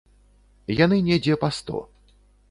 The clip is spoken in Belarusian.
Яны недзе па сто.